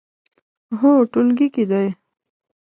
هو، ټولګي کې دی